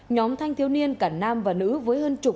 nhóm thanh thiếu niên cả nam và nữ